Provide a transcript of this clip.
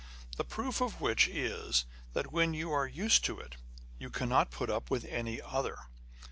The proof of which is, that, when you are used* to it, you cannot put up with any other.